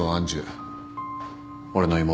俺の妹だ。